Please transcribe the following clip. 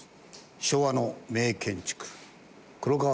昭和の名建築黒川